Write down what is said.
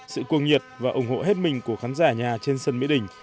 sự cuồng nhiệt và ủng hộ hết mình của khán giả nhà trên sân mỹ đình